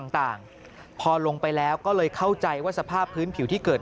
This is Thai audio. ต่างพอลงไปแล้วก็เลยเข้าใจว่าสภาพพื้นผิวที่เกิด